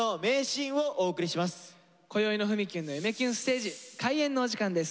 こよいの「ふみキュンの夢キュンステージ」開演のお時間です。